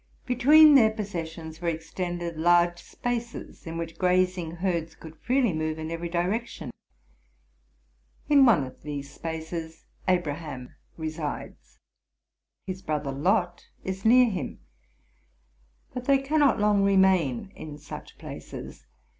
Between their possessions were extended large spaces, in which grazing herds could freely move in every direction. In one of these spaces Abraham resides ; his brother Lot is near him: but they cannot long remain in such places.